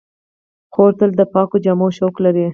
خور تل د پاکو جامو شوق لري.